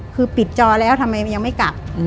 คือปิดจอแล้วทำไมมันยังไม่กลับ